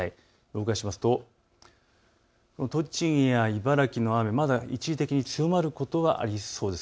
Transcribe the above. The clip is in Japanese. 動かしますと栃木や茨城の雨、まだ一時的に強まることがありそうです。